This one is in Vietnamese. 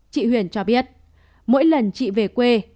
chị huyền cho biết mỗi lần chị về quê